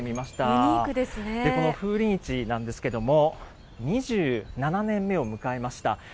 この風鈴市なんですけれども、２７年目を迎えました。